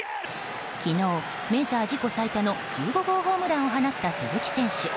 昨日メジャー自己最多の１５号ホームランを放った鈴木選手。